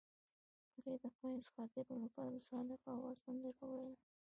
هغې د ښایسته خاطرو لپاره د صادق اواز سندره ویله.